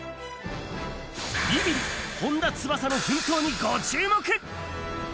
ビビり、本田翼の奮闘にご注目。